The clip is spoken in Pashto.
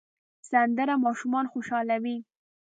سندره ماشومان خوشحالوي